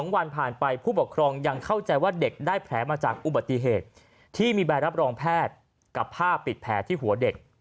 ๒วันผ่านไปผู้ปกครองยังเข้าใจว่าเด็กได้แผลมาจากอุบัติเหตุที่มีใบรับรองแพทย์กับผ้าปิดแผลที่หัวเด็ก